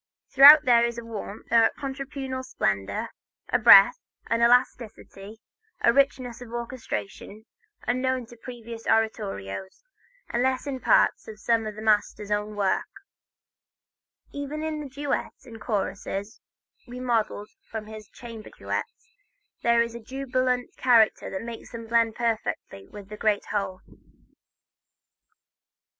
Throughout there is a warmth, a contrapuntal splendor, a breadth, an elasticity, a richness of orchestration, unknown in previous oratorio, unless in parts of some of the master's own works. Even in the duet and choruses remodeled from his chamber duets, there is that jubilant character that makes them blend perfectly with the great whole.